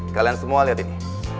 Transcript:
kalian semua lihat ini